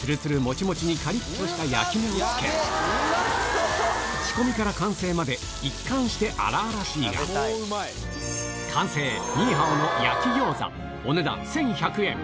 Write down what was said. つるつるもちもちにかりっとした焼き目をつけ、仕込みから完成まで一貫して荒々しいが、完成、ニイハオの焼き餃子、お値段１１００円。